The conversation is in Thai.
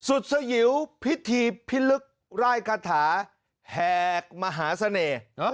สยิวพิธีพิลึกไร่คาถาแหกมหาเสน่ห์